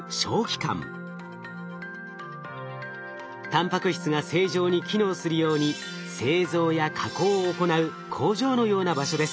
タンパク質が正常に機能するように製造や加工を行う工場のような場所です。